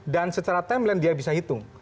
dan secara timeline dia bisa hitung